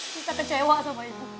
risa kecewa sama itu